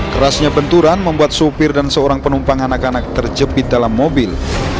kerasnya benturan membuat sopir dan seorang penumpang anak anak terjepit dalam mobil